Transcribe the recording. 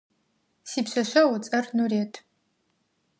Сипшъэшъэгъу ыцӏэр Нурыет.